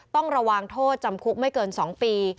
ต้องระวังโทษจำคุกไม่เกิน๒ปี